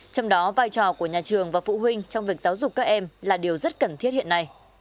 trong đó vai trò của nhà trường và phụ huynh trong việc giáo dục các em là điều rất cần thiết hiện nay